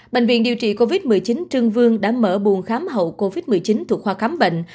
bệnh viện điều trị covid một mươi chín trương vương đã mở buồn khám hậu covid một mươi chín thuộc khoa khám bệnh